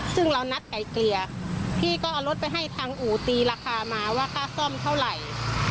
ซึ่งเรานัดไกลเกลี่ยพี่ก็เอารถไปให้ทางอู่ตีราคามาว่าค่าซ่อมเท่าไหร่